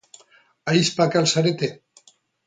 Ahizpak al zarete?